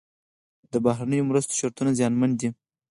د بهرنیو مرستو شرطونه زیانمن دي.